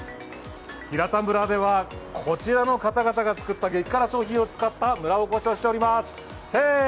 平田村ではこちらの方々が作った激辛商品を使った村おこしをしております。